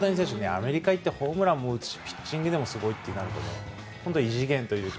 アメリカへ行ってホームランも打ちピッチングもすごいとなると異次元というか。